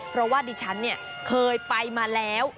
เพราะว่าดิฉันเคยไปมาแล้ว